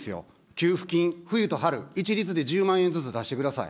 給付金、冬と春、一律で１０万円ずつ出してください。